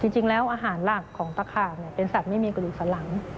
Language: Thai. จริงแล้วอาหารหลักของตะขาบเป็นสัตว์ไม่มีกระดูกสันหลัง